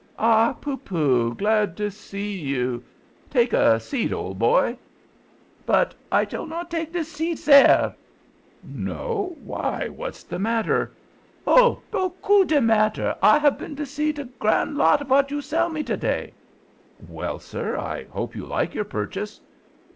"Ah, Poopoo! glad to see you. Take a seat, old boy." "But I shall not take de seat, sare." "No—why, what's the matter?" "Oh, beaucoup de matter. I have been to see de gran lot vot you sell me to day." "Well, sir, I hope you like your purchase?"